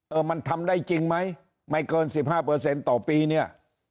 มันทำได้จริงไหมไม่เกิน๑๕ต่อปีเนี่ย